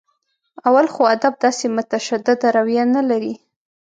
اول خو ادب داسې متشدده رویه نه لري.